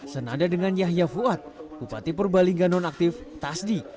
senada dengan yahya fuad bupati purbalingga nonaktif tasdi